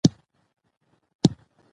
د پوستکي داغونه د تېرو کړنو پایله ده.